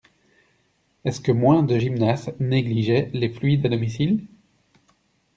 Est-ce que moins de gymnastes négligeaient les fluides à domicile?